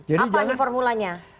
apa ini formulanya